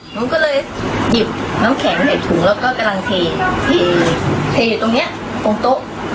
หนูก็เลยหยิบน้ำแข็งเหล็กถุงแล้วก็กำลังเทอยู่ตรงเนี้ยตรงโต๊ะ